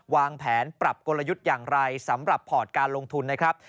วางแผนปรับกลยุทธ์อย่างไรสำหรับพอร์ตการลงทุนนะครับ